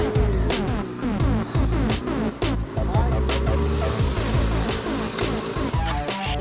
ayokah kita ke rumah